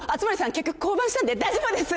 結局降板したんで大丈夫です。